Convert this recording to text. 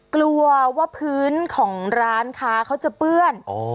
กลัวว่าพื้นของร้านค้าเขาจะเปื้อน